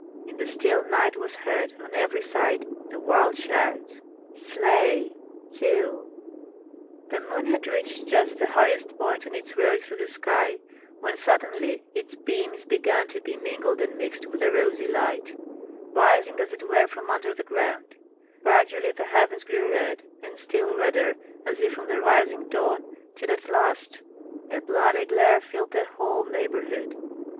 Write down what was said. In the still night was heard on every side the wild shouts: "Slay! kill!" The moon had reached just the highest point on its road through the sky, when suddenly its beams began to be mingled and mixed with a rosy light, rising as it were from under the ground; gradually the heavens grew red and still redder as if from the rising dawn, till at last a bloody glare filled the whole neighborhood.